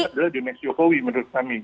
adalah dimensi jokowi menurut kami